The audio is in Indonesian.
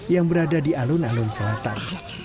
yang berada di alun alun selatan